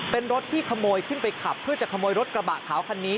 เป็นรถที่ขโมยขึ้นไปขับเพื่อจะขโมยรถกระบะขาวคันนี้